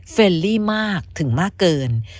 เรลลี่มากถึงมากเกิน